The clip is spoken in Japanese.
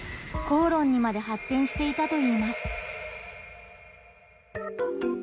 口論にまで発展していたといいます。